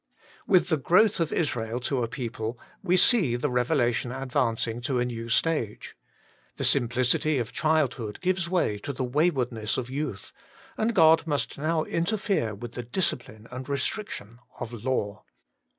With the growth of Israel to a people we see the revelation advancing to a new stage. The simplicity of childhood gives way to the waywardness of youth, and God must now interfere with the discipline and restriction of law.